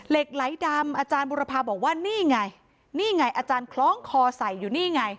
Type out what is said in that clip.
เหล็กไหลดำอาจารย์บุรพาบอกว่านี่ไงนี่ไงอาจารย์คล้องคอใส่อยู่นี่ไง